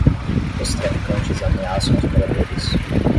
Os traficantes ameaçam os moradores.